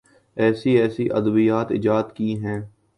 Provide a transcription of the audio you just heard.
ایسی ایسی ادویات ایجاد کی ہیں۔